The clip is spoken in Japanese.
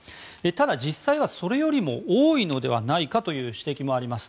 ただ、実際はそれよりも多いのではないかという指摘もあります。